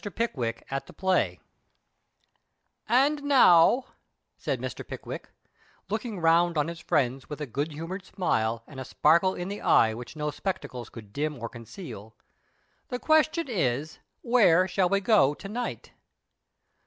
PICKWICK AT THE PLAY " And now,'' said Mr. Pickwick, looking round on his friends with a good humoured smile, and a sparkle in the eye which no spectacles could dim or conceal, " the question is, Where shall we go to night